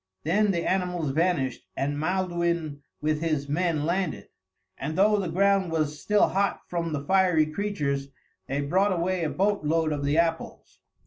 Then the animals vanished, and Maelduin with his men landed, and though the ground was still hot from the fiery creatures, they brought away a boat load of the apples.